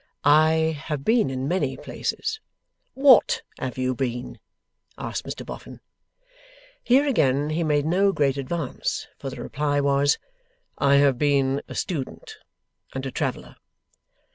'I have been in many places.' 'What have you been?' asked Mr Boffin. Here again he made no great advance, for the reply was, 'I have been a student and a traveller.